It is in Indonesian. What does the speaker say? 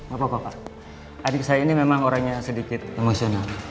gapapa pak adik saya ini memang orangnya sedikit emosional